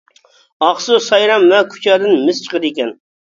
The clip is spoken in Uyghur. ئاقسۇ، سايرام ۋە كۇچادىن مىس چىقىدىكەن.